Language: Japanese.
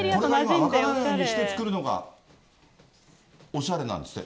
分からないようにして作るのがおしゃれなんですって。